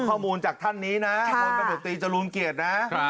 ข้อมูลจากท่านนี้นะพตจรุงเกียรตินะ